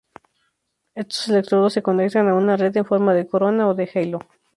Estos electrodos se conectan a una red en forma de corona o de halo.